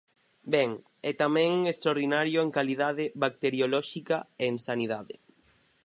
Ben, e tamén extraordinario en calidade bacteriolóxica e en sanidade.